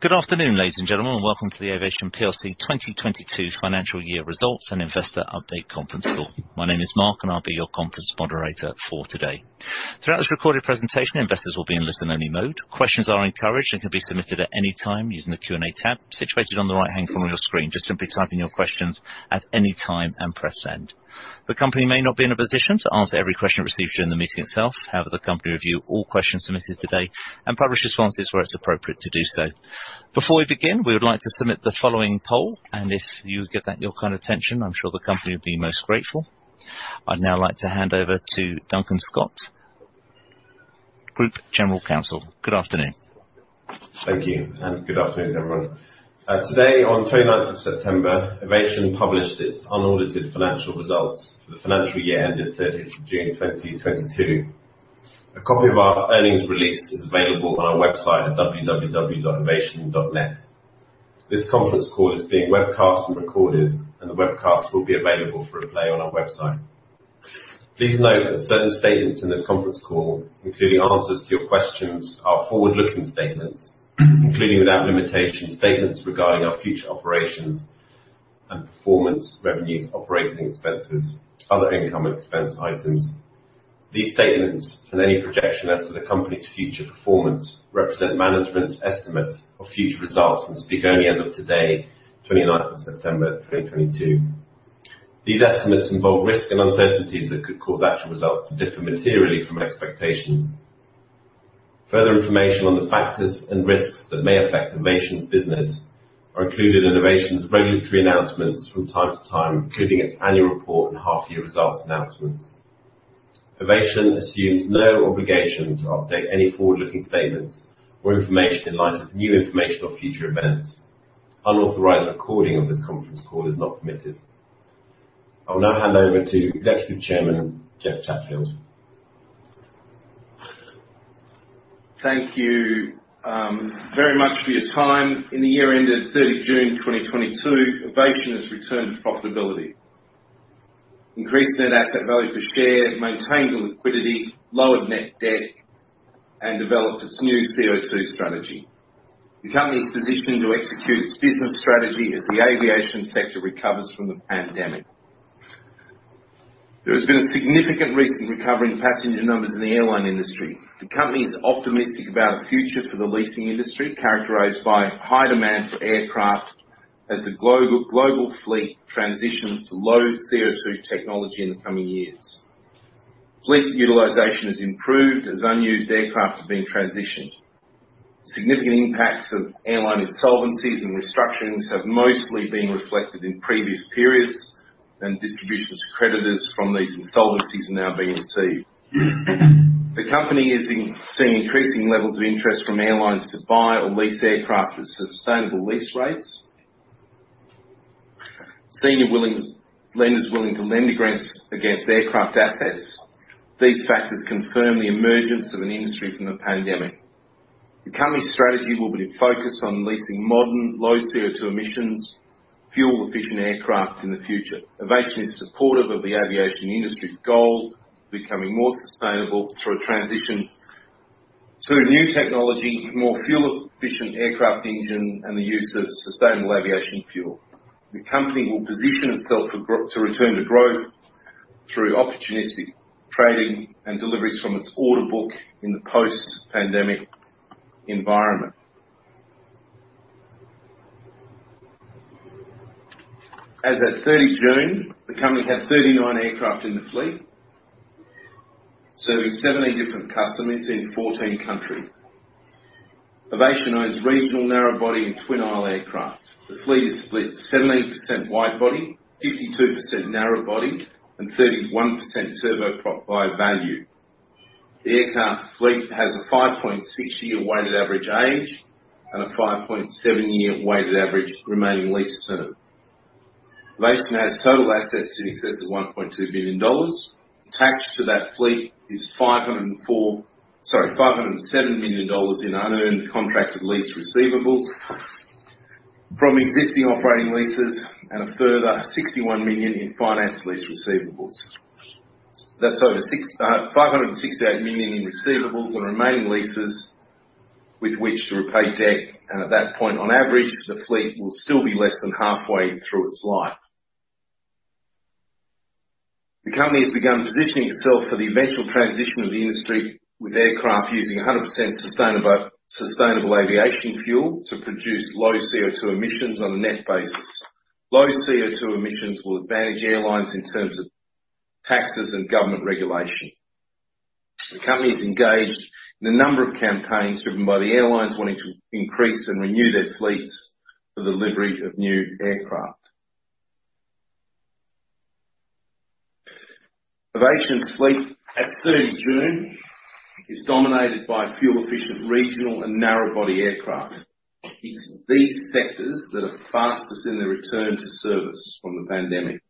Good afternoon, ladies and gentlemen. Welcome to the Avation PLC 2022 financial year results and investor update conference call. My name is Mark, and I'll be your conference moderator for today. Throughout this recorded presentation, investors will be in listen-only mode. Questions are encouraged and can be submitted at any time using the Q&A tab situated on the right-hand corner of your screen. Just simply type in your questions at any time and press Send. The company may not be in a position to answer every question received during the meeting itself. However, the company review all questions submitted today and publish responses where it's appropriate to do so. Before we begin, we would like to submit the following poll, and if you give that your kind attention, I'm sure the company will be most grateful. I'd now like to hand over to Duncan Scott, Group General Counsel. Good afternoon. Thank you, and good afternoon, everyone. Today on 29th of September, Avation published its unaudited financial results for the financial year ended 30th of June 2022. A copy of our earnings release is available on our website at www.avation.net. This conference call is being webcast and recorded, and the webcast will be available for replay on our website. Please note that certain statements in this conference call, including answers to your questions, are forward-looking statements, including without limitation, statements regarding our future operations and performance, revenues, operating expenses, other income expense items. These statements and any projection as to the company's future performance represent management's estimate of future results and speak only as of today, 29th of September 2022. These estimates involve risks and uncertainties that could cause actual results to differ materially from expectations. Further information on the factors and risks that may affect Avation's business are included in Avation's regulatory announcements from time to time, including its annual report and half-year results announcements. Avation assumes no obligation to update any forward-looking statements or information in light of new information or future events. Unauthorized recording of this conference call is not permitted. I will now hand over to Executive Chairman, Jeff Chatfield. Thank you, very much for your time. In the year ended 3rd June 2022, Avation has returned to profitability. Increased net asset value per share, maintained liquidity, lowered net debt, and developed its new CO2 strategy. The company is positioned to execute its business strategy as the aviation sector recovers from the pandemic. There has been a significant recent recovery in passenger numbers in the airline industry. The company is optimistic about a future for the leasing industry, characterized by high demand for aircraft as the global fleet transitions to low CO2 technology in the coming years. Fleet utilization has improved as unused aircraft are being transitioned. Significant impacts of airline insolvencies and restructurings have mostly been reflected in previous periods, and distributions to creditors from these insolvencies are now being received. The company is increasing levels of interest from airlines to buy or lease aircraft at sustainable lease rates. Senior lenders willing to lend against aircraft assets. These factors confirm the emergence of an industry from the pandemic. The company's strategy will be focused on leasing modern low CO2 emissions, fuel-efficient aircraft in the future. Avation is supportive of the aviation industry's goal of becoming more sustainable through a transition to new technology, more fuel-efficient aircraft engine, and the use of sustainable aviation fuel. The company will position itself to return to growth through opportunistic trading and deliveries from its order book in the post-pandemic environment. As at 30 June, the company had 39 aircraft in the fleet, serving 17 different customers in 14 countries. Avation owns regional narrow-body and twin-aisle aircraft. The fleet is split 17% wide-body, 52% narrow-body, and 31% turboprop by value. The aircraft fleet has a 5.6-year weighted average age and a 5.7-year weighted average remaining lease term. Avation has total assets in excess of $1.2 billion. Attached to that fleet is $507 million in unearned contracted lease receivables from existing operating leases and a further $61 million in finance lease receivables. That's over $568 million in receivables on remaining leases with which to repay debt. At that point, on average, the fleet will still be less than halfway through its life. The company has begun positioning itself for the eventual transition of the industry with aircraft using 100% sustainable aviation fuel to produce low CO2 emissions on a net basis. Low CO2 emissions will advantage airlines in terms of taxes and government regulation. The company is engaged in a number of campaigns driven by the airlines wanting to increase and renew their fleets for delivery of new aircraft. Aviation's fleet at 30 June is dominated by fuel-efficient regional and narrow-body aircraft. It's these sectors that are fastest in their return to service from the pandemic.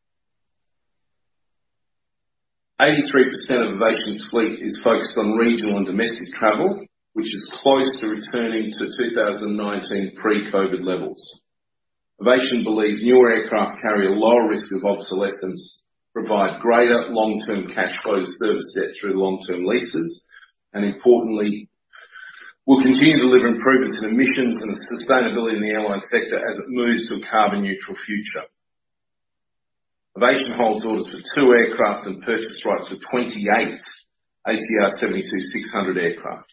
83% of Avation's fleet is focused on regional and domestic travel, which is close to returning to 2019 pre-COVID levels. Avation believe newer aircraft carry a lower risk of obsolescence, provide greater long-term cash flow service debt through long-term leases, and importantly, will continue to deliver improvements in emissions and sustainability in the airline sector as it moves to a carbon neutral future. Avation holds orders for two aircraft and purchase rights of 28 ATR 72-600 aircraft.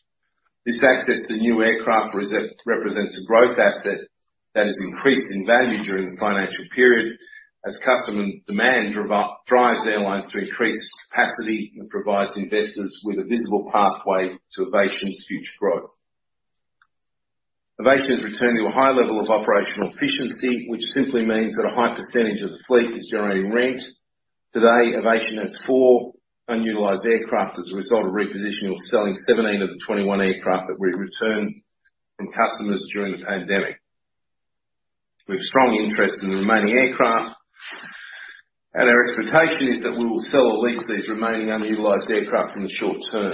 This access to new aircraft represents a growth asset that has increased in value during the financial period as customer demand drives airlines to increase capacity and provides investors with a visible pathway to Avation's future growth. Avation has returned to a high level of operational efficiency, which simply means that a high percentage of the fleet is generating rent. Today, Avation has four unutilized aircraft as a result of repositioning or selling 17 of the 21 aircraft that we returned from customers during the pandemic. We have strong interest in the remaining aircraft, and our expectation is that we will sell or lease these remaining unutilized aircraft in the short term.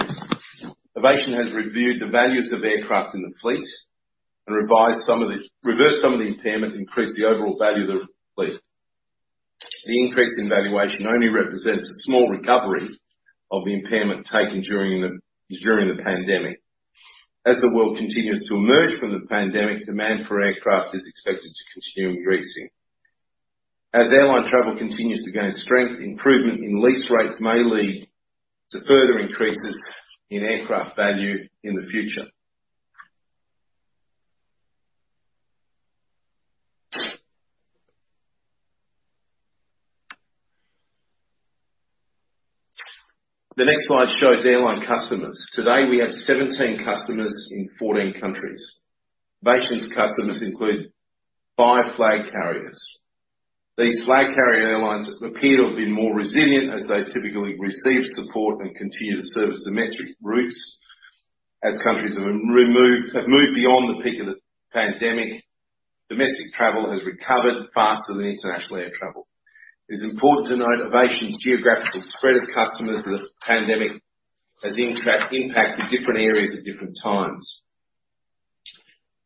Avation has reviewed the values of aircraft in the fleet and reversed some of the impairment, increased the overall value of the fleet. The increase in valuation only represents a small recovery of the impairment taken during the pandemic. As the world continues to emerge from the pandemic, demand for aircraft is expected to continue increasing. As airline travel continues to gain strength, improvement in lease rates may lead to further increases in aircraft value in the future. The next slide shows airline customers. Today, we have 17 customers in 14 countries. Avation's customers include five flag carriers. These flag carrier airlines appear to have been more resilient as they typically received support and continue to service domestic routes. As countries have moved beyond the peak of the pandemic, domestic travel has recovered faster than international air travel. It is important to note Avation's geographical spread of customers, the pandemic impacted different areas at different times.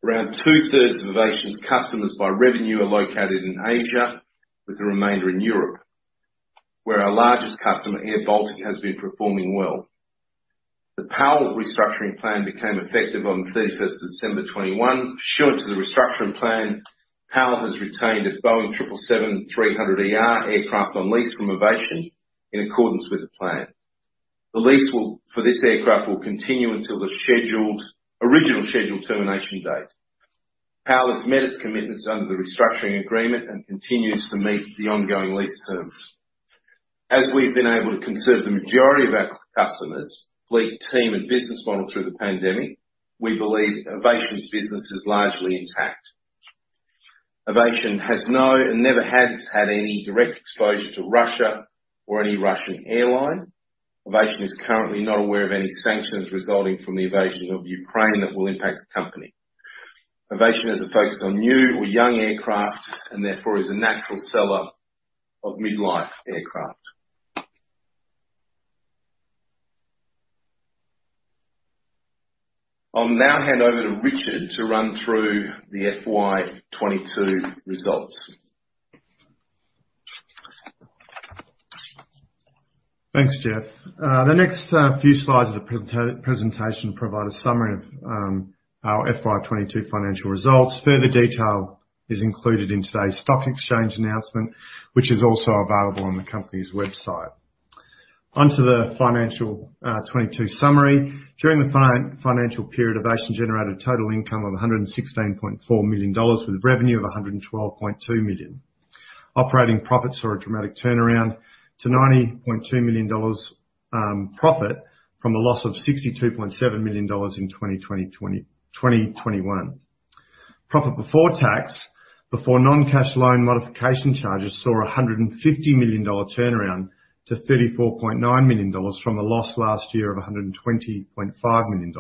Around two-thirds of Avation's customers by revenue are located in Asia, with the remainder in Europe, where our largest customer, airBaltic, has been performing well. The PAL restructuring plan became effective on the thirty-first of December 2021. Pursuant to the restructuring plan, PAL has retained a Boeing 777-300ER aircraft on lease from Avation in accordance with the plan. The lease for this aircraft will continue until the original scheduled termination date. PAL has met its commitments under the restructuring agreement and continues to meet the ongoing lease terms. As we've been able to conserve the majority of our customers, fleet team and business model through the pandemic, we believe Avation's business is largely intact. Avation has no, and never has had any direct exposure to Russia or any RussIan airline. Avation is currently not aware of any sanctions resulting from the invasion of Ukraine that will impact the company. Avation is a focus on new or young aircraft and therefore is a natural seller of mid-life aircraft. I'll now hand over to Richard to run through the FY 2022 results. Thanks, Jeff. The next few slides of the presentation provide a summary of our FY 2022 financial results. Further detail is included in today's stock exchange announcement, which is also available on the company's website. Onto the financial 2022 summary. During the financial period, Avation generated total income of $116.4 million with revenue of $112.2 million. Operating profits saw a dramatic turnaround to $90.2 million profit from a loss of $62.7 million in 2021. Profit before tax, before non-cash loan modification charges, saw a $150 million turnaround to $34.9 million from a loss last year of $120.5 million.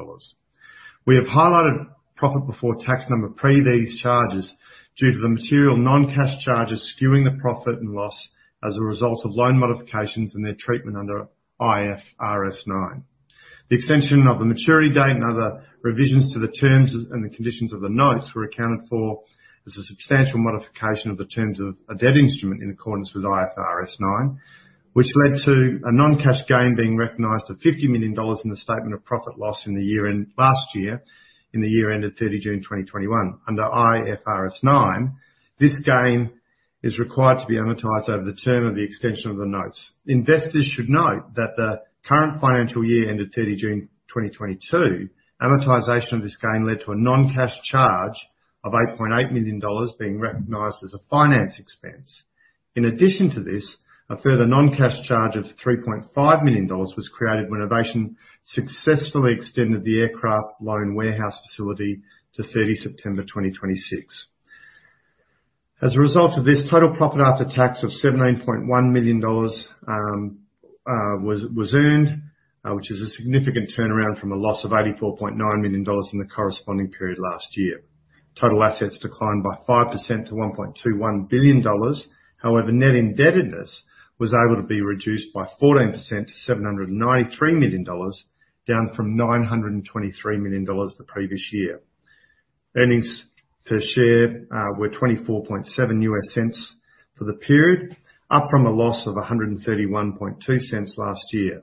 We have highlighted profit before tax number pre these charges due to the material non-cash charges skewing the profit or loss as a result of loan modifications and their treatment under IFRS 9. The extension of the maturity date and other revisions to the terms and the conditions of the notes were accounted for as a substantial modification of the terms of a debt instrument in accordance with IFRS 9, which led to a non-cash gain being recognized of $50 million in the statement of profit or loss in the year ended 30 June 2021. Under IFRS 9, this gain is required to be amortized over the term of the extension of the notes. Investors should note that the current financial year ended 30 June 2022. Amortization of this gain led to a non-cash charge of $8.8 million being recognized as a finance expense. In addition to this, a further non-cash charge of $3.5 million was created when Avation successfully extended the aircraft loan warehouse facility to 30 September 2026. As a result of this, total profit after tax of $17.1 million was earned, which is a significant turnaround from a loss of $84.9 million in the corresponding period last year. Total assets declined by 5% to $1.21 billion. However, net indebtedness was able to be reduced by 14% to $793 million. Down from $923 million the previous year. Earnings per share were $0.247 for the period, up from a loss of $1.312 last year.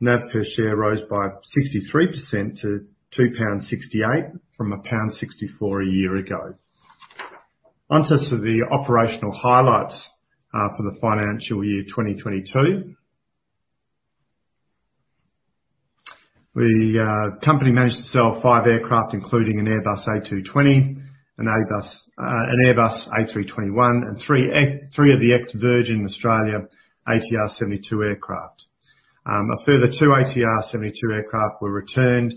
NAV per share rose by 63% to 2.68 pound from 1.64 a year ago. Onto the operational highlights for the financial year 2022. The company managed to sell five aircraft including an Airbus A220, an Airbus A321, and three of the ex-Virgin Australia ATR 72 aircraft. A further two ATR 72 aircraft were returned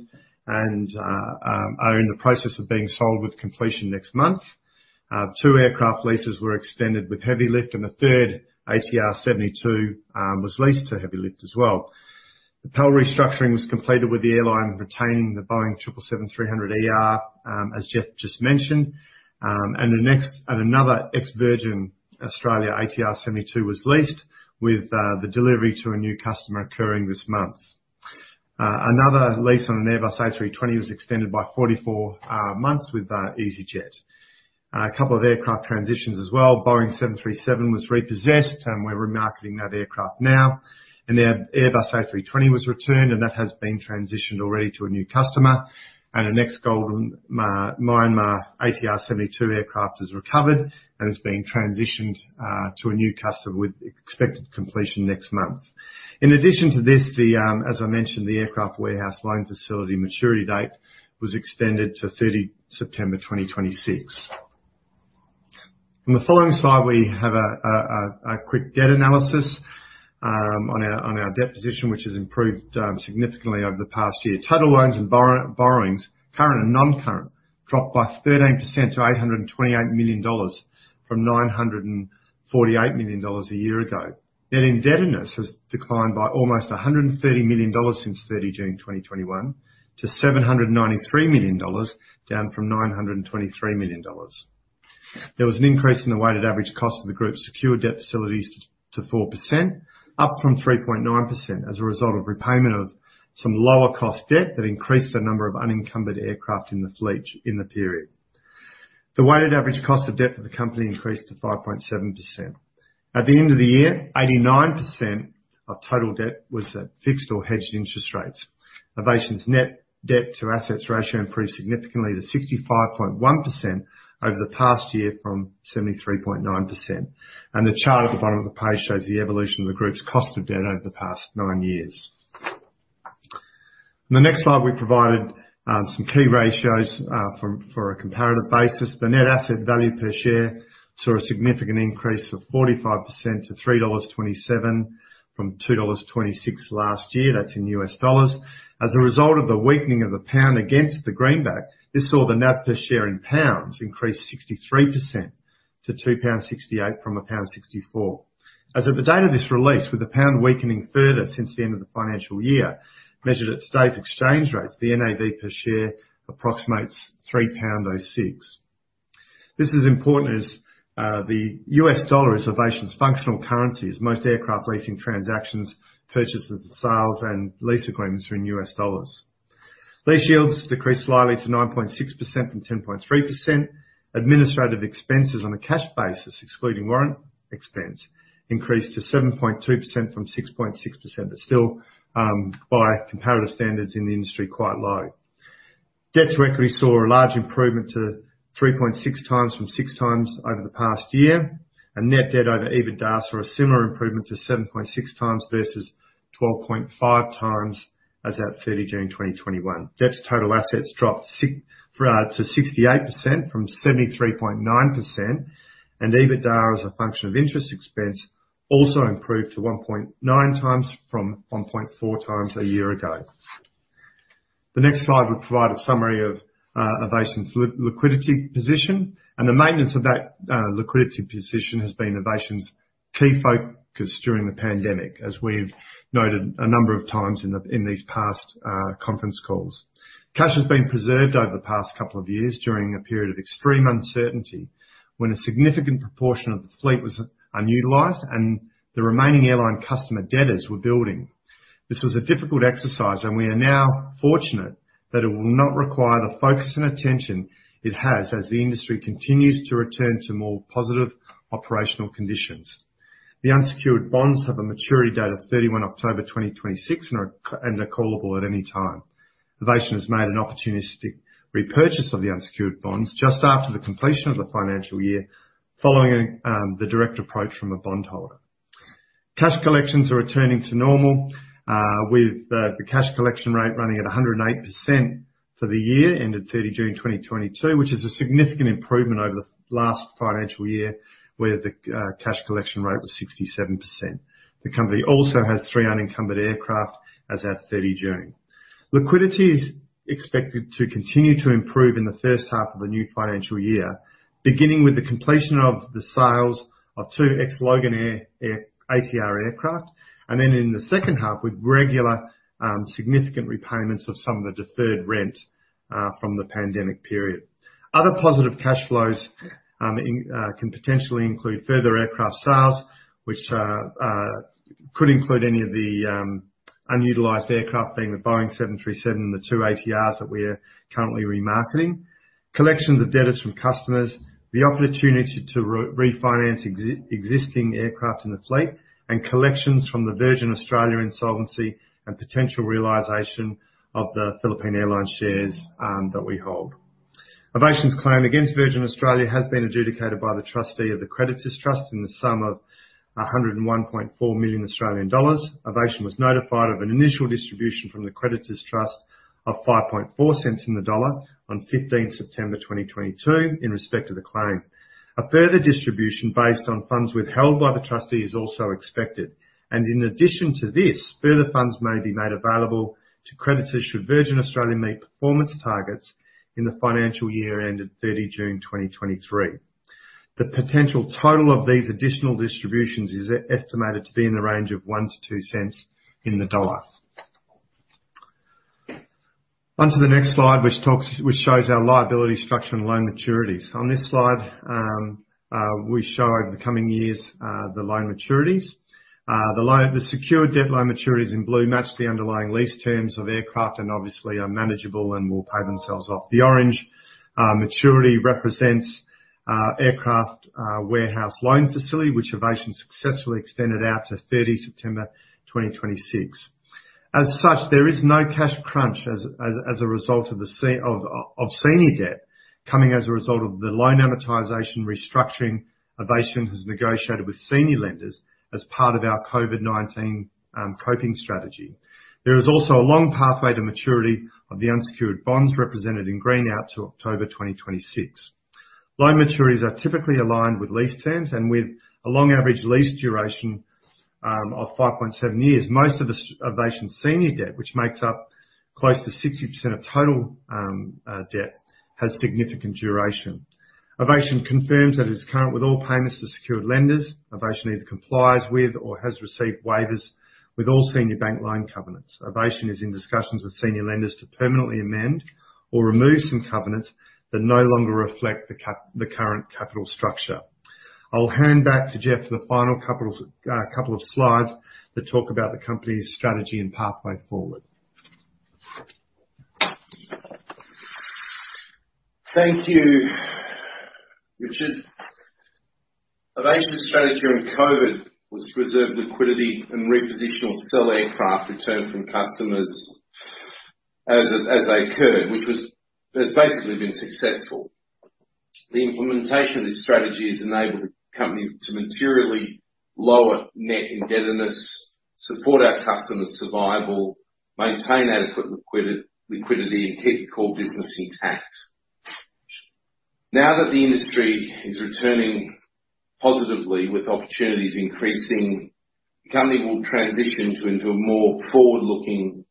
and are in the process of being sold with completion next month. Two aircraft leases were extended with Hevilift and the third ATR 72 was leased to Hevilift as well. The PAL restructuring was completed with the airline retaining the Boeing 777-300ER, as Jeff just mentioned. Another ex-Virgin Australia ATR72 was leased with the delivery to a new customer occurring this month. Another lease on an Airbus A320 was extended by 44 months with easyJet. A couple of aircraft transitions as well. Boeing 737 was repossessed, and we're remarketing that aircraft now. An Airbus A320 was returned, and that has been transitioned already to a new customer. The next Golden Myanmar ATR72 aircraft is recovered and is being transitioned to a new customer with expected completion next month. In addition to this, as I mentioned, the aircraft warehouse loan facility maturity date was extended to 30 September 2026. On the following slide, we have a quick debt analysis on our debt position, which has improved significantly over the past year. Total loans and borrowings, current and non-current, dropped by 13% to $828 million from $948 million a year ago. Net indebtedness has declined by almost $130 million since 30 June 2021 to $793 million, down from $923 million. There was an increase in the weighted average cost of the group's secured debt facilities to 4%, up from 3.9%, as a result of repayment of some lower cost debt that increased the number of unencumbered aircraft in the fleet in the period. The weighted average cost of debt for the company increased to 5.7%. At the end of the year, 89% of total debt was at fixed or hedged interest rates. Avation's net debt to assets ratio improved significantly to 65.1% over the past year from 73.9%. The chart at the bottom of the page shows the evolution of the group's cost of debt over the past nine years. On the next slide, we've provided some key ratios for a comparative basis. The net asset value per share saw a significant increase of 45% to $3.27 from $2.26 last year. That's in US dollars. As a result of the weakening of the pound against the greenback, this saw the NAV per share in pounds increase 63% to 2.68 pound from 1.64. As of the date of this release, with the pound weakening further since the end of the financial year, measured at today's exchange rates, the NAV per share approximates 3.06 pound. This is important as the US dollar is Avation's functional currency as most aircraft leasing transactions, purchases, sales, and lease agreements are in US dollars. Lease yields decreased slightly to 9.6% from 10.3%. Administrative expenses on a cash basis, excluding warrant expense, increased to 7.2% from 6.6%. Still, by comparative standards in the industry, quite low. Debt to equity saw a large improvement to 3.6x from 6x over the past year. Net debt over EBITDA saw a similar improvement to 7.6x versus 12.5x as at 30 June 2021. Debt to total assets dropped to 68% from 73.9%. EBITDA, as a function of interest expense, also improved to 1.9x from 1.4x a year ago. The next slide will provide a summary of Avation's liquidity position. The maintenance of that liquidity position has been Avation's key focus during the pandemic, as we've noted a number of times in these past conference calls. Cash has been preserved over the past couple of years during a period of extreme uncertainty, when a significant proportion of the fleet was unutilized and the remaining airline customer debtors were building. This was a difficult exercise, and we are now fortunate that it will not require the focus and attention it has as the industry continues to return to more positive operational conditions. The unsecured bonds have a maturity date of 31 October 2026, and are callable at any time. Avation has made an opportunistic repurchase of the unsecured bonds just after the completion of the financial year, following the direct approach from a bond holder. Cash collections are returning to normal, with the cash collection rate running at 108% for the year ended 30 June 2022, which is a significant improvement over the last financial year, where the cash collection rate was 67%. The company also has three unencumbered aircraft as at 30 June. Liquidity is expected to continue to improve in the first half of the new financial year, beginning with the completion of the sales of two ex-Loganair ATR aircraft. In the second-half, with regular, significant repayments of some of the deferred rent from the pandemic period. Other positive cash flows can potentially include further aircraft sales, which could include any of the unutilized aircraft, being the Boeing 737 and the two ATRs that we are currently remarketing. Collections of debtors from customers, the opportunity to re-refinance existing aircraft in the fleet, and collections from the Virgin Australia insolvency and potential realization of the Philippine Airlines shares that we hold. Avation's claim against Virgin Australia has been adjudicated by the trustee of the creditors trust in the sum of 101.4 million Australian dollars. Avation was notified of an initial distribution from the creditors trust of 5.4 in the dollar on 15 September 2022 in respect to the claim. A further distribution based on funds withheld by the trustee is also expected. In addition to this, further funds may be made available to creditors should Virgin Australia meet performance targets in the financial year ended 30 June 2023. The potential total of these additional distributions is estimated to be in the range of $0.01-$0.02. On to the next slide, which shows our liability structure and loan maturities. On this slide, we show the coming years, the loan maturities. The secured debt loan maturities in blue match the underlying lease terms of aircraft, and obviously are manageable and will pay themselves off. The orange maturity represents aircraft warehouse loan facility, which Avation successfully extended out to 30 September 2026. As such, there is no cash crunch as a result of senior debt coming as a result of the loan amortization restructuring Avation has negotiated with senior lenders as part of our COVID-19 coping strategy. There is also a long pathway to maturity of the unsecured bonds represented in green out to October 2026. Loan maturities are typically aligned with lease terms and with a long average lease duration of 5.7 years. Most of Avation's senior debt, which makes up close to 60% of total debt, has significant duration. Avation confirms that it is current with all payments to secured lenders. Avation either complies with or has received waivers with all senior bank loan covenants. Avation is in discussions with senior lenders to permanently amend or remove some covenants that no longer reflect the current capital structure. I'll hand back to Jeff for the final couple of slides that talk about the company's strategy and pathway forward. Thank you, Richard. Avation's strategy during COVID was to preserve liquidity and reposition or sell aircraft returned from customers as they occurred, which has basically been successful. The implementation of this strategy has enabled the company to materially lower net indebtedness, support our customers' survival, maintain adequate liquidity, and keep the core business intact. Now that the industry is returning positively with opportunities increasing, the company will transition to a more forward-looking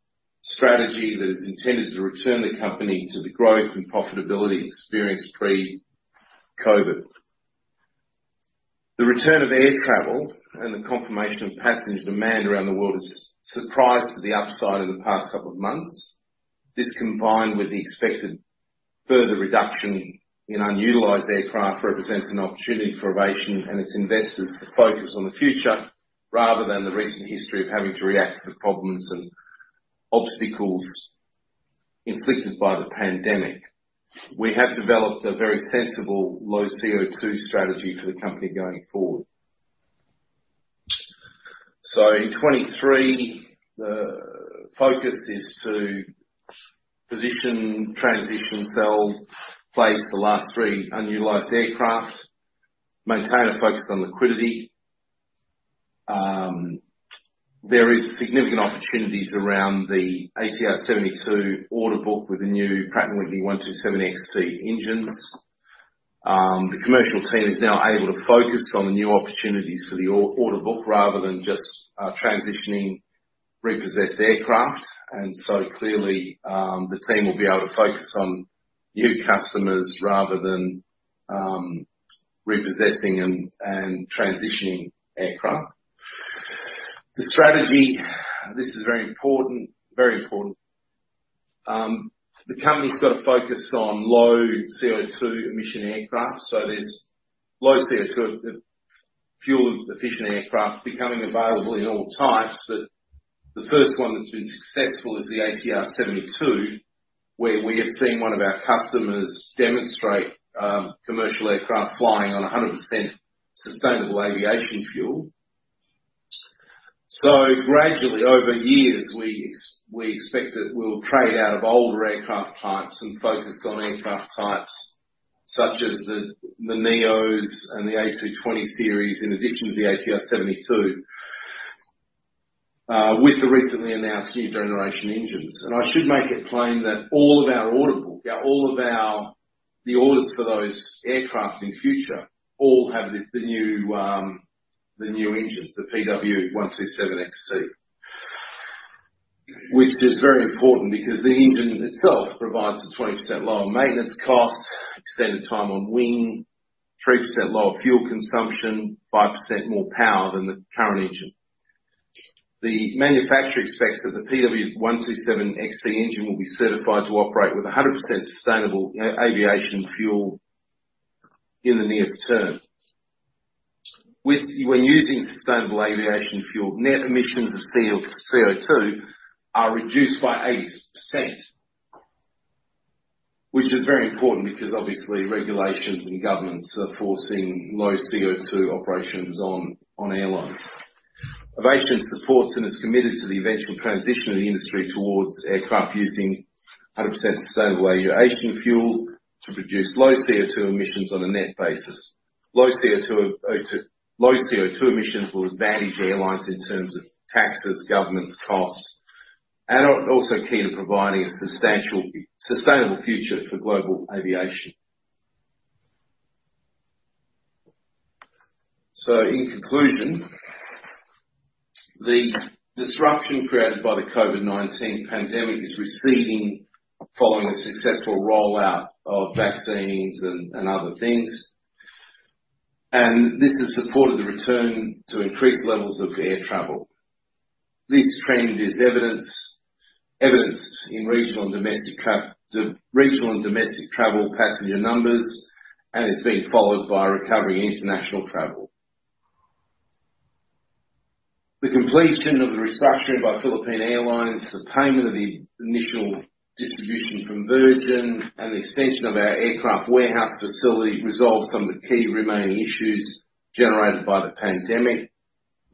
strategy that is intended to return the company to the growth and profitability experienced pre-COVID. The return of air travel and the confirmation of passenger demand around the world has surprised to the upside in the past couple of months. This, combined with the expected further reduction in unutilized aircraft, represents an opportunity for Avation and its investors to focus on the future rather than the recent history of having to react to problems and obstacles inflicted by the pandemic. We have developed a very sensible low CO2 strategy for the company going forward. In 2023, the focus is to position, transition, sell, phase the last three unutilized aircraft, maintain a focus on liquidity. There is significant opportunities around the ATR-72 order book with the new Pratt & Whitney PW127XT engines. The commercial team is now able to focus on the new opportunities for the order book rather than just transitioning repossessed aircraft. Clearly, the team will be able to focus on new customers rather than repossessing and transitioning aircraft. The strategy, this is very important. The company's got a focus on low CO2 emission aircraft. There's low CO2, the fuel-efficient aircraft becoming available in all types, but the first one that's been successful is the ATR-72, where we have seen one of our customers demonstrate commercial aircraft flying on 100% sustainable aviation fuel. Gradually, over years, we expect that we'll trade out of older aircraft types and focus on aircraft types such as the NEO and the A220 series, in addition to the ATR-72, with the recently announced new generation engines. I should make the claim that all of our order book, the orders for those aircraft in future all have this, the new engines, the PW127XT. Which is very important, because the engine itself provides a 20% lower maintenance cost, extended time on wing, 3% lower fuel consumption, 5% more power than the current engine. The manufacturer expects that the PW127XT engine will be certified to operate with 100% sustainable aviation fuel in the nearest term. When using sustainable aviation fuel, net emissions of CO2 are reduced by 80%. Which is very important because obviously regulations and governments are forcing low CO2 operations on airlines. Avation supports and is committed to the eventual transition of the industry towards aircraft using 100% sustainable aviation fuel to produce low CO2 emissions on a net basis. Low CO2 emissions will advantage airlines in terms of taxes, government costs, and are also key to providing a substantial, sustainable future for global aviation. In conclusion, the disruption created by the COVID-19 pandemic is receding following a successful rollout of vaccines and other things. This has supported the return to increased levels of air travel. This trend is evident in regional and domestic travel passenger numbers and is being followed by recovering international travel. The completion of the restructuring by Philippine Airlines, the payment of the initial distribution from Virgin Australia, and the extension of our aircraft warehouse facility resolves some of the key remaining issues generated by the pandemic.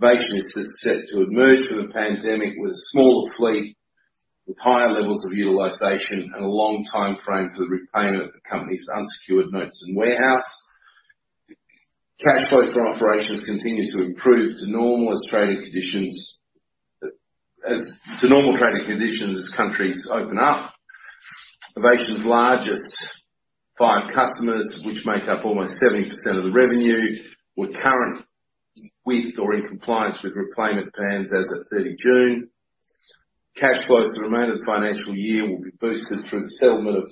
Avation is set to emerge from the pandemic with a smaller fleet, with higher levels of utilization and a long timeframe for the repayment of the company's unsecured notes and warehouse. Cash flow from operations continues to improve to normal trading conditions as countries open up. Avation's largest five customers, which make up almost 70% of the revenue, were current with or in compIiance with repayment plans as at 30 June. Cash flows for the remainder of the financial year will be boosted through the settlement of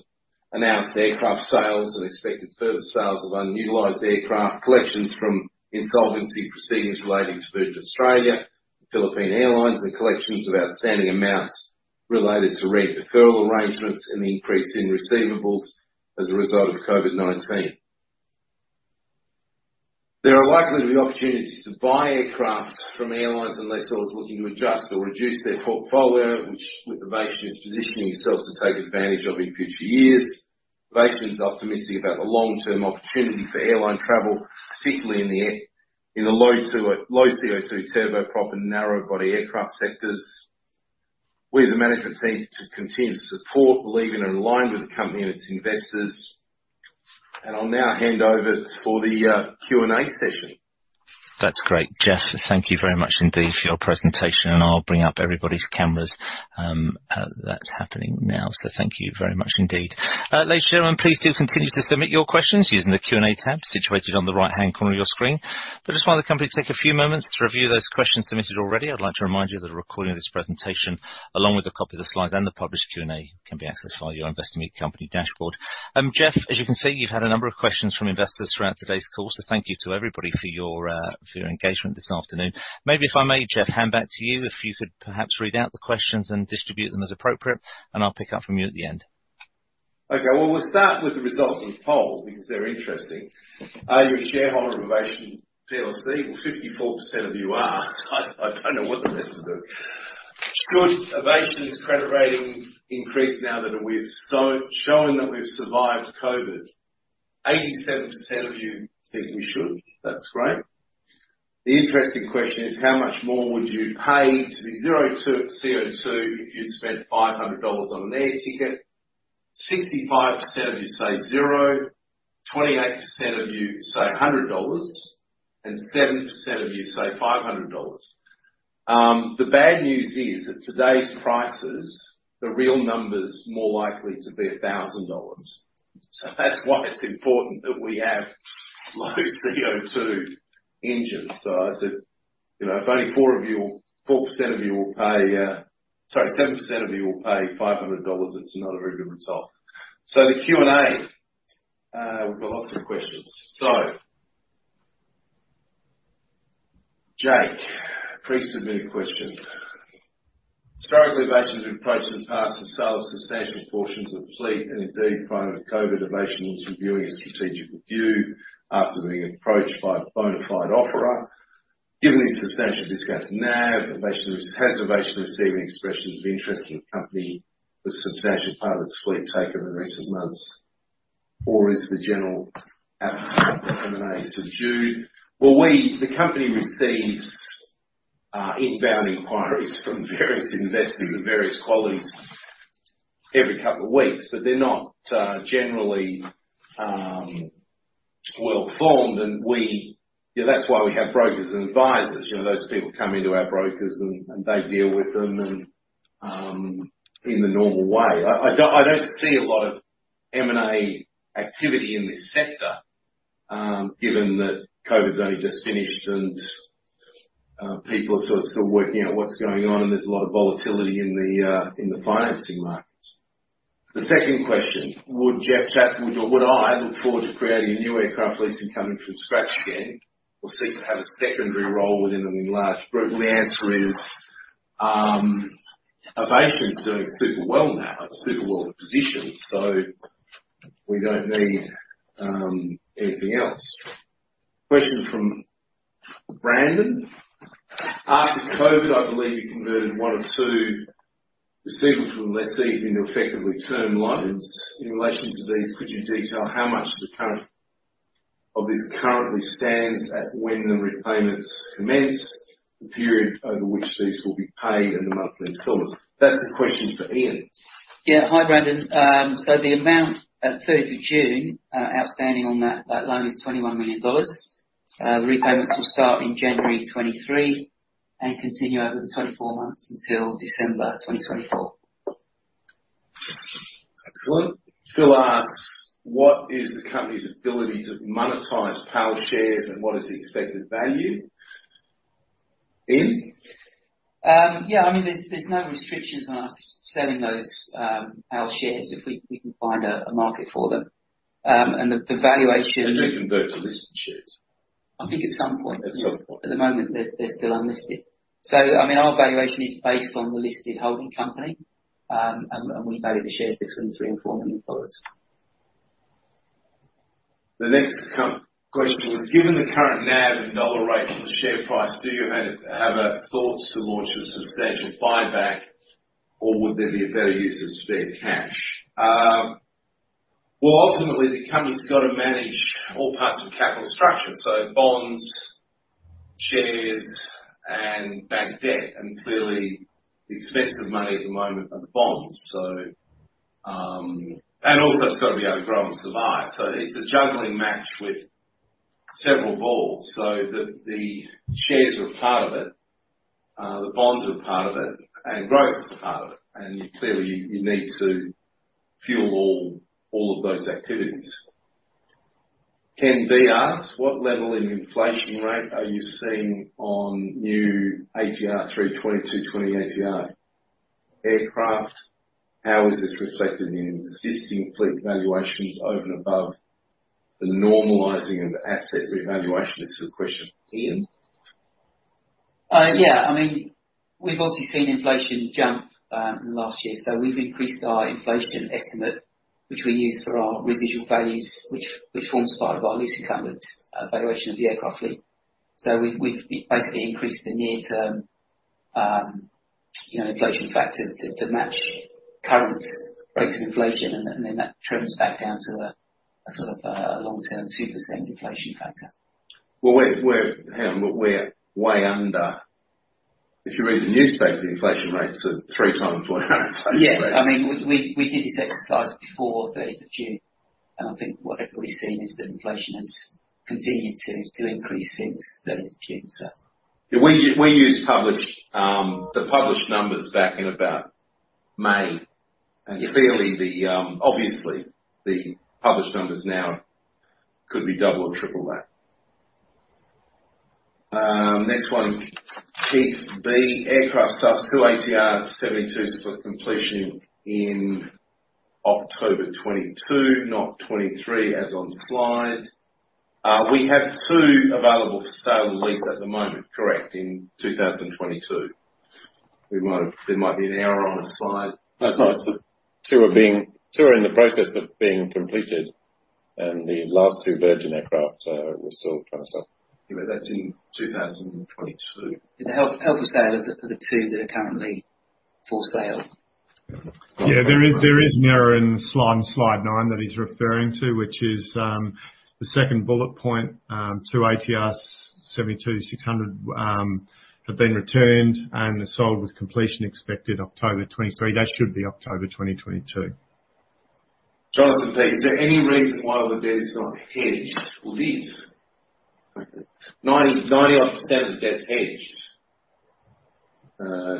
announced aircraft sales and expected further sales of unutilized aircraft, collections from insolvency proceedings relating to Virgin Australia and Philippine Airlines, and collections of outstanding amounts related to rent deferral arrangements and the increase in receivables as a result of COVID-19. There are likely to be opportunities to buy aircraft from airlines and lessors looking to adjust or reduce their portfolio, which Avation is positioning itself to take advantage of in future years. Avation is optimistic about the long-term opportunity for airline travel, particularly in the low CO2 turboprop and narrow body aircraft sectors. We as a management team to continue to support, believe in, and align with the company and its investors. I'll now hand over for the Q&A session. That's great, Jeff. Thank you very much indeed for your presentation, and I'll bring up everybody's cameras. That's happening now. Thank you very much indeed. Ladies and gentlemen, please do continue to submit your questions using the Q&A tab situated on the right-hand corner of your screen. Just while the company take a few moments to review those questions submitted already, I'd like to remind you that a recording of this presentation, along with a copy of the slides and the published Q&A, can be accessed via your Investor Meet Company dashboard. Jeff, as you can see, you've had a number of questions from investors throughout today's call. Thank you to everybody for your engagement this afternoon. Maybe if I may, Jeff, hand back to you if you could perhaps read out the questions and distribute them as appropriate, and I'll pick up from you at the end. Okay. Well, we'll start with the results of the poll because they're interesting. Are you a shareholder of Avation PLC? Well, 54% of you are. Should Avation's credit rating increase now that we've shown that we've survived COVID? 87% of you think we should. That's great. The interesting question is, how much more would you pay to be CO2 if you spent $500 on an air ticket? 65% of you say zero, 28% of you say $100, and 7% of you say $500. The bad news is, at today's prices, the real number's more likely to be $1,000. That's why it's important that we have low CO2 engines. I said, you know, if only four of you, 4% of you will pay. Sorry, 7% of you will pay $500, it's not a very good result. The Q&A. We've got lots of questions. Jake, pre-submitted question. Historically, Avation has been approached in the past the sale of substantial portions of the fleet, and indeed, prior to COVID, Avation was reviewing a strategic review after being approached by a bona fide offeror. Given the substantial discount to NAV, has Avation received any expressions of interest in the company with a substantial part of its fleet taken in recent months, or is the general appetite for M&A subdued? The company receives inbound inquiries from various investors of various qualities every couple of weeks. They're not generally well formed. And we... You know, that's why we have brokers and advisors. You know, those people come into our brokers and they deal with them and in the normal way. I don't see a lot of M&A activity in this sector, given that COVID's only just finished and people are sort of still working out what's going on, and there's a lot of volatility in the financing markets. The second question, would Jeff Chatfield or would I look forward to creating a new aircraft leasing company from scratch again or seek to have a secondary role within an enlarged group? My answer is, Avation is doing super well now. It's super well-positioned, so we don't need anything else. Question from Brandon: After COVID, I believe you converted one or two receivables from lessees into effectively term loans. In relation to these, could you detail how much of this currently stands at when the repayments commence, the period over which these will be paid, and the monthly installments? That's a question for Iain. Hi, Brandon. So the amount at third of June outstanding on that loan is $21 million. Repayments will start in January 2023 and continue over the 24 months until December 2024. Excellent. Phil asks, what is the company's ability to monetize PAL shares, and what is the expected value? Iain. Yeah. I mean, there's no restrictions on us selling those PAL shares if we can find a market for them. The valuation- They convert to listed shares. I think at some point. At some point. At the moment they're still unlisted. I mean, our valuation is based on the listed holding company. And we value the shares between. The next question was: Given the current NAV and dollar rate on the share price, do you have thoughts to launch a substantial buyback, or would there be a better use of spare cash? Well, ultimately, the company's got to manage all parts of capital structure, so bonds, shares, and bank debt. Clearly the expensive money at the moment are the bonds. It’s gotta be able to grow and survive. It’s a juggling match with several balls. The shares are part of it, the bonds are part of it, and growth is a part of it. You clearly need to fuel all of those activities. Ken B. asks, what level of inflation rate are you seeing on new ATR 72-600 ATR aircraft? How is this reflected in existing fleet valuations over and above the normalizing of asset revaluation? This is a question. Iain. Yeah. I mean, we've obviously seen inflation jump in the last year, so we've increased our inflation estimate, which we use for our residual values, which forms part of our lease encumbered valuation of the aircraft fleet. So we've basically increased the near-term, you know, inflation factors to match current rates of inflation. Then that trims back down to a sort of long-term 2% inflation factor. Well, we're. Hang on. We're way under. If you read the newspaper, the inflation rates are three times what our inflation rate Yeah. I mean, we did this exercise before third of June, and I think what everybody's seen is that inflation has continued to increase since 3rd of June, so. Yeah. We used published, the published numbers back in about May. Yeah. Clearly, obviously, the published numbers now could be double or triple that. Next one, Keith B: Aircraft sales, two ATR 72s with completion in October 2022, not 2023 as on slide. We have two available for sale and lease at the moment, correct, in 2022. There might be an error on the slide. No, it's not. It's just two are in the process of being completed, and the last two Virgin aircraft are. We're still trying to sell. Yeah, that's in 2022. Help us out of the two that are currently for sale. Yeah. There is an error in slide nine that he's referring to, which is the second bullet point. Two ATR 72-600 have been returned and sold with completion expected October 2023. That should be October 2022. Jonathan Figg: Is there any reason why all the debt is not hedged for these? 90-odd% of the debt's hedged.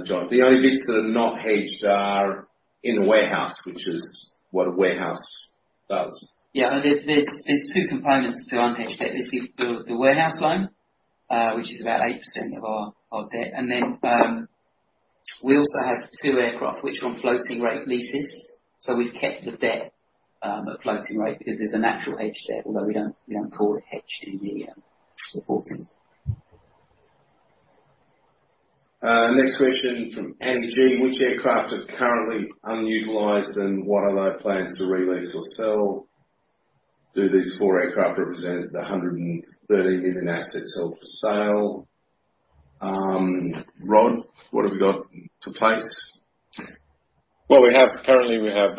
Jon, the only bits that are not hedged are in the warehouse, which is what a warehouse does. There's two components to unhedged debt. There's the warehouse loan, which is about 8% of our debt. We also have two aircraft which are on floating rate leases, so we've kept the debt at floating rate because there's a natural hedge there, although we don't call it hedged in the reporting. Next question from Andy G: Which aircraft are currently unutilized, and what are their plans to re-lease or sell? Do these four aircraft represent the $130 million assets held for sale? Rod, what have we got to place? We currently have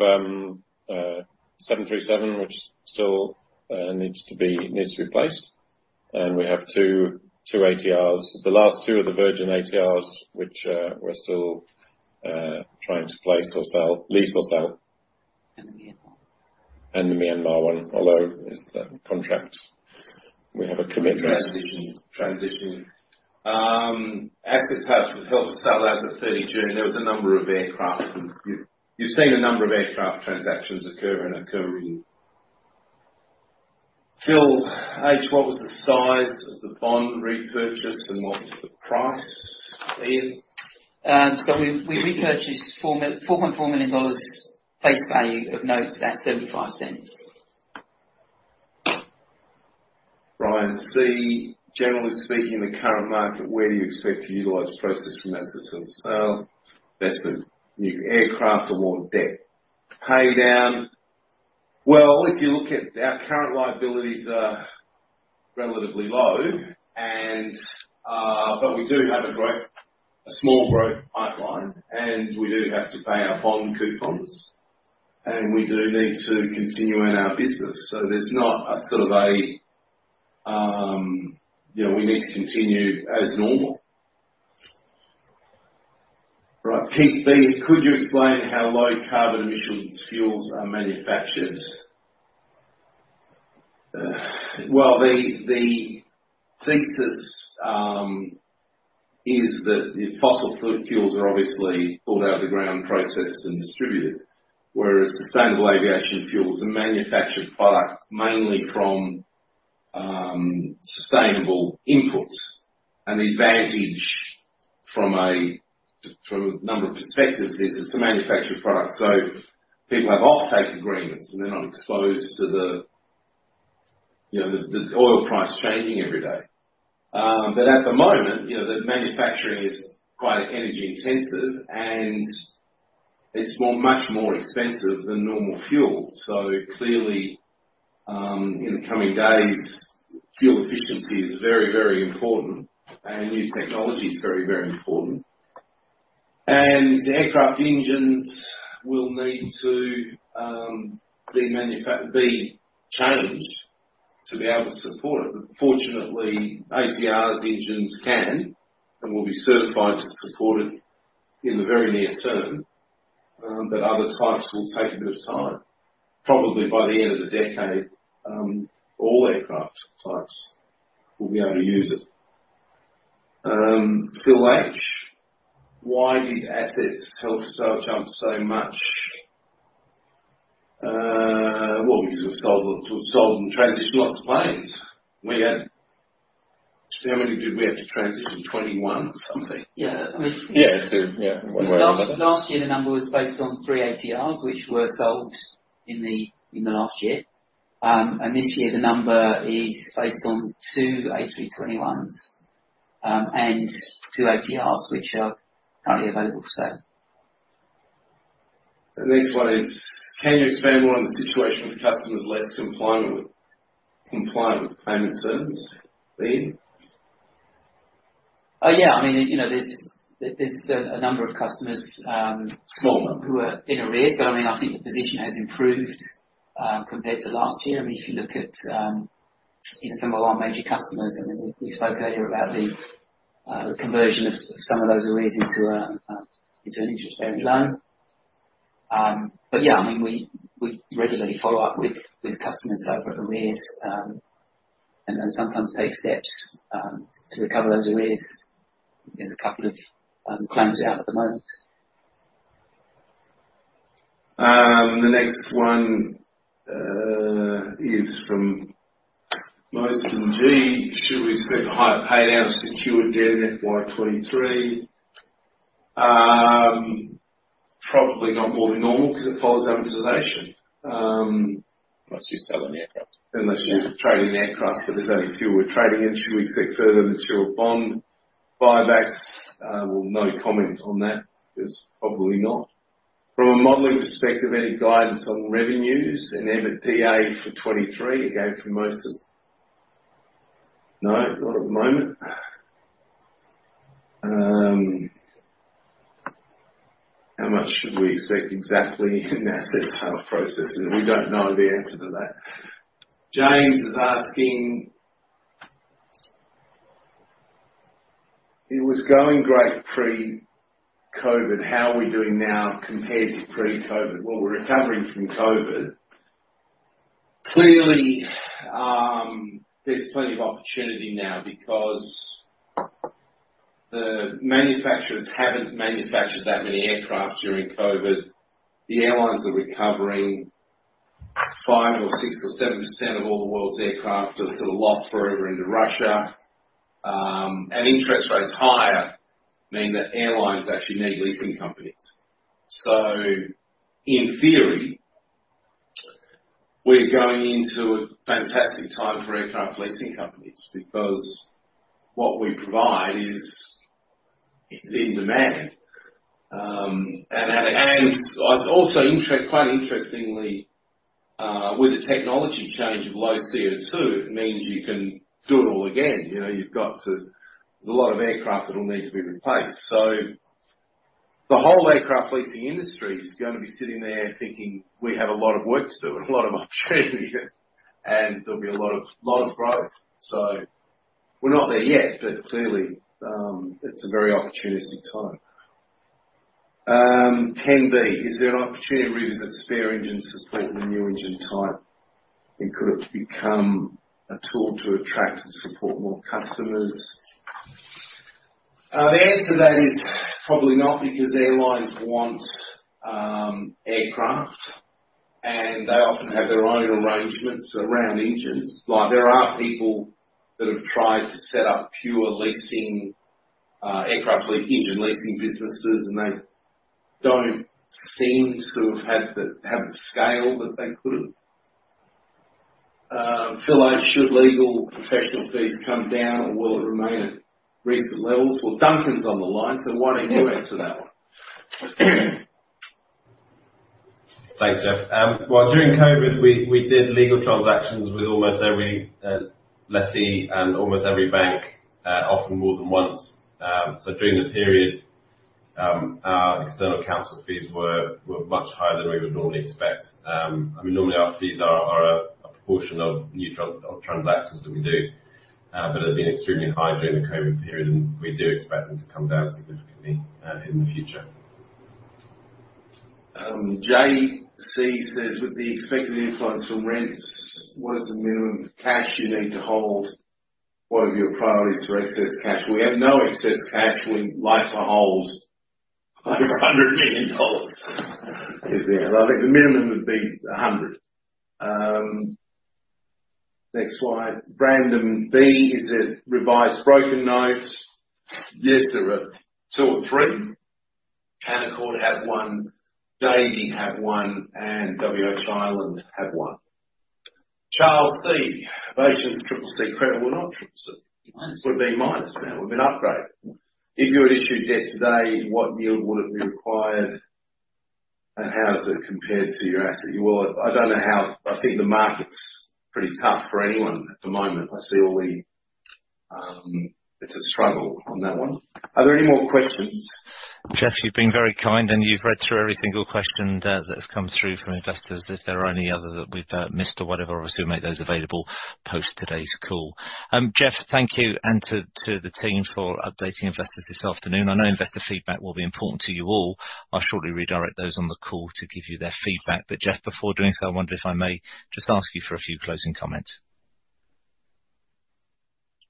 737 which still needs to be placed. We have two ATRs, the last two of the Virgin ATRs which we're still trying to place or sell. The Myanmar. The Myanmar one, although there's that contract, we have a commitment. Active Touch: Held for sale as of 30 June, there was a number of aircraft, and you've seen a number of aircraft transactions occur and occurring. Phil H: What was the size of the bond repurchase and what was the price, Iain? We repurchased $4.4 million face value of notes at $0.75. Brian C: Generally speaking, in the current market, where do you expect to utilize the proceeds from asset sales? Investment, new aircraft or more debt pay down? Well, if you look at our current liabilities are relatively low and, but we do have a growth, a small growth pipeline, and we do have to pay our bond coupons, and we do need to continue in our business. There's not a sort of a, you know, we need to continue as normal. Right. Pete B: Could you explain how low carbon emissions fuels are manufactured? Well, the thing is that fossil fuels are obviously pulled out of the ground, processed and distributed, whereas sustainable aviation fuels are manufactured products mainly from sustainable inputs. The advantage from a number of perspectives is it's a manufactured product, so people have offtake agreements and they're not exposed to the you know the oil price changing every day. But at the moment, you know, the manufacturing is quite energy intensive and it's much more expensive than normal fuel. So clearly, in the coming days, fuel efficiency is very, very important and new technology is very, very important. Aircraft engines will need to be changed to be able to support it. But fortunately, ATR's engines can and will be certified to support it in the very near term. But other types will take a bit of time. Probably by the end of the decade, all aircraft types will be able to use it. Phil H: Why did assets held for sale jump so much? Well, because we've sold and transitioned lots of planes. We had how many did we have to transition? 21 something. Last year the number was based on 3 ATRs, which were sold in the last year. This year the number is based on 2 A321s and 2 ATRs which are currently available for sale. The next one is: Can you expand more on the situation with customers less compIaint with payment terms? Iain. Yeah. I mean, you know, there's been a number of customers. Small number. Who are in arrears. I mean, I think the position has improved compared to last year. I mean, if you look at you know some of our major customers, I mean, we spoke earlier about the conversion of some of those arrears into an interest-bearing loan. Yeah, I mean, we regularly follow up with customers over arrears and then sometimes take steps to recover those arrears. There's a couple of claims out at the moment. The next one is from Moysten G: Should we expect higher pay downs secured debt in FY 2023? Probably not more than normal 'cause it follows amortization. Unless you're selling the aircraft. Unless you're trading the aircraft, but there's only a few we're trading. Should we expect further mature bond buybacks? No comment on that. There's probably not. From a modeling perspective, any guidance on revenues and EBITDA for 2023? No, not at the moment. How much should we expect exactly in asset sale processes? We don't know the answers to that. James is asking: It was going great pre-COVID-19. How are we doing now compared to pre-COVID-19? Well, we're recovering from COVID-19. Clearly, there's plenty of opportunity now because the manufacturers haven't manufactured that many aircraft during COVID-19. The airlines are recovering. five or six or 7% of all the world's aircraft are sort of lost forever into Russia. And interest rates higher mean that airlines actually need leasing companies. In theory, we're going into a fantastic time for aircraft leasing companies because what we provide is in demand. Quite interestingly, with the technology change of low CO2, it means you can do it all again. You know, you've got to. There's a lot of aircraft that'll need to be replaced. The whole aircraft leasing industry is gonna be sitting there thinking, "We have a lot of work to do and a lot of opportunity, and there'll be a lot of growth." We're not there yet, but clearly, it's a very opportunistic time. Ken B: Is there an opportunity to revisit spare engine support with a new engine type? Could it become a tool to attract and support more customers? The answer to that is probably not, because airlines want aircraft, and they often have their own arrangements around engines. Like, there are people that have tried to set up pure leasing engine leasing businesses, and they don't seem to have the scale that they could. Phil O, "Should legal professional fees come down or will it remain at recent levels?" Well, Duncan's on the line, so why don't you answer that one? Thanks, Jeff. Well, during COVID, we did legal transactions with almost every lessee and almost every bank, often more than once. During the period, our external counsel fees were much higher than we would normally expect. I mean, normally our fees are a proportion of new transactions that we do, but they've been extremely high during the COVID period, and we do expect them to come down significantly in the future. JC says, "With the expected influence from rents, what is the minimum cash you need to hold? What are your priorities for excess cash?" We have no excess cash. We like to hold over $100 million. I think the minimum would be $100 million. Next slide. Brandon B, "Is there revised broker notes?" Yes, there are two or three. Arden have one, Davy have one, and WH Ireland have one. Charles C, "Avation's? Would be minus. Would be minus now. It would be an upgrade. Yes. If you had issued debt today, what yield would have been required, and how does it compare to your asset?" Well, I think the market's pretty tough for anyone at the moment. It's a struggle on that one. Are there any more questions? Jeff, you've been very kind, and you've read through every single question that has come through from investors. If there are any other that we've missed or whatever, obviously we'll make those available post today's call. Jeff, thank you, and to the team for updating investors this afternoon. I know investor feedback will be important to you all. I'll shortly redirect those on the call to give you their feedback. Jeff, before doing so, I wonder if I may just ask you for a few closing comments.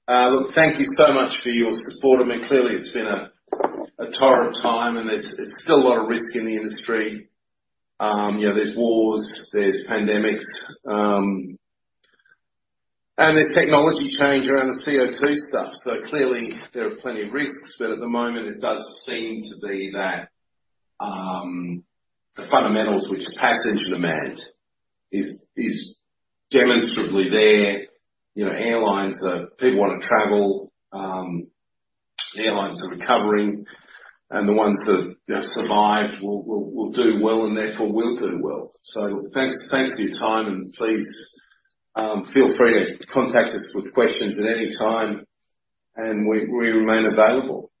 Look, thank you so much for your support. I mean, clearly it's been a torrid time, and there's still a lot of risk in the industry. You know, there's wars, there's pandemics, and there's technology change around the CO2 stuff. Clearly there are plenty of risks. At the moment it does seem to be that the fundamentals which are passenger demand is demonstrably there. You know, people wanna travel, airlines are recovering, and the ones that you know survived will do well and therefore will do well. Thanks for your time, and please feel free to contact us with questions at any time, and we remain available.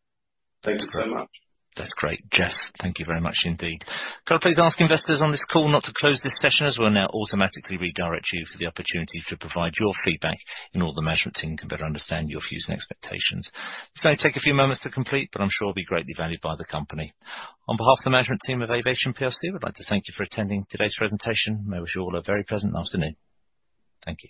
Thanks very much. That's great. Jeff, thank you very much indeed. Could I please ask investors on this call not to close this session, as we'll now automatically redirect you for the opportunity to provide your feedback and all the management team can better understand your views and expectations. This may take a few moments to complete, but I'm sure it'll be greatly valued by the company. On behalf of the management team of Avation PLC, we'd like to thank you for attending today's presentation. May I wish you all a very pleasant afternoon. Thank you.